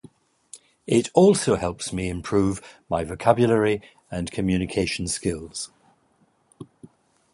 It also helps me improve my vocabulary and communication skills.